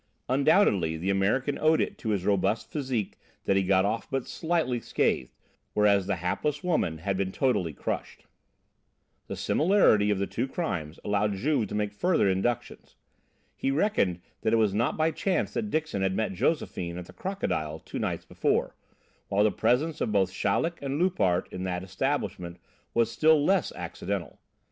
Undoubtedly the American owed it to his robust physique that he got off but slightly scathed, whereas the hapless woman had been totally crushed. The similarity of the two crimes allowed Juve to make further inductions. He reckoned that it was not by chance that Dixon had met Josephine at the "Crocodile" two nights before, while the presence of both Chaleck and Loupart in that establishment was still less accidental.